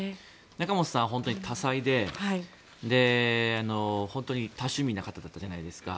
仲本さん、本当に多才で本当に多趣味な方だったじゃないですか。